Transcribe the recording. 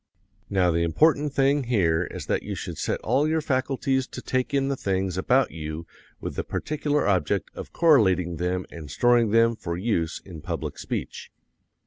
Now the important thing here is that you should set all your faculties to take in the things about you with the particular object of correlating them and storing them for use in public speech.